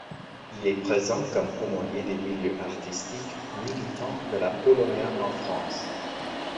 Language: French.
Il est présent comme aumônier des milieux artistiques, militant de la Polonia en France.